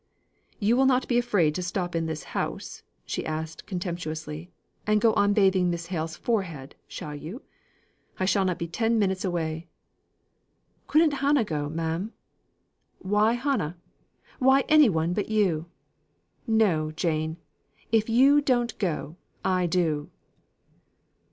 You will not be afraid to stop in this house," she asked contemptuously, "and go on bathing Miss Hale's forehead, shall you? I shall not be ten minutes away." "Couldn't Hannah go, ma'am?" "Why Hannah? Why any but you? No, Jane, if you don't go, I do."